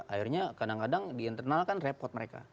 akhirnya kadang kadang diinternalkan repot mereka